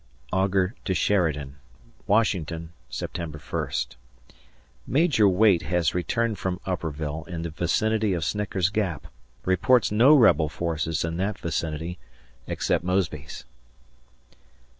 [Augur to Sheridan] Washington, September 1st. Major Waite has returned from Upperville, in the vicinity of Snicker's Gap; reports no rebel forces in that vicinity, except Mosby's.